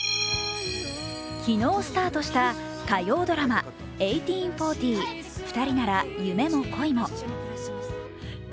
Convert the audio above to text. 昨日スタートした火曜ドラマ「１８／４０ふたりなら夢も恋も」。